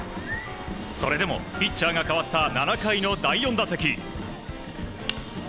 それでも、ピッチャーが代わった７回の第４打席。